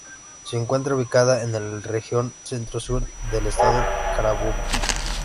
Se encuentra ubicada en la "Región Centro-Sur" del Estado Carabobo.